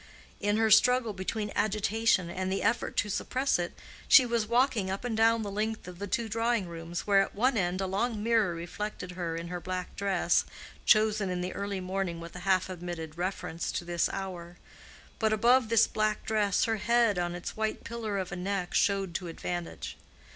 In her struggle between agitation and the effort to suppress it, she was walking up and down the length of the two drawing rooms, where at one end a long mirror reflected her in her black dress, chosen in the early morning with a half admitted reference to this hour. But above this black dress her head on its white pillar of a neck showed to advantage.